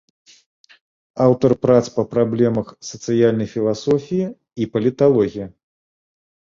Аўтар прац па праблемах сацыяльнай філасофіі і паліталогіі.